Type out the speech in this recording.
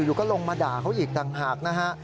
อยู่ก็ลงมาด่าเขาอีกต่างหากนะฮะ